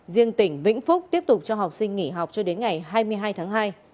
riêng tỉnh vĩnh phúc tiếp tục cho học sinh nghỉ học cho đến ngày hai mươi hai tháng hai